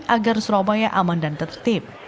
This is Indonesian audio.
agar surabaya aman dan tertib